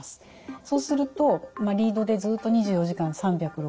そうするとリードでずっと２４時間３６５日